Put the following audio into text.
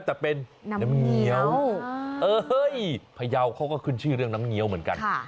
แต่เป็นน้ำเงี้ยวพยาวเขาก็ขึ้นชื่อเรื่องน้ำเงี้ยวเหมือนกัน